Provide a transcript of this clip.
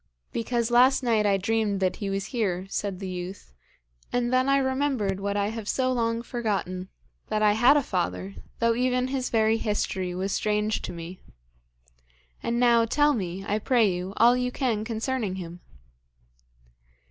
'Because last night I dreamed that he was here,' said the youth, 'and then I remembered what I have so long forgotten, that I had a father, though even his very history was strange to me. And now, tell me, I pray you, all you can concerning him.'